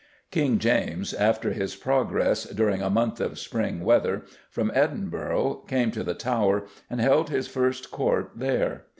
King James, after his progress "during a month of spring weather" from Edinburgh, came to the Tower and held his first Court there.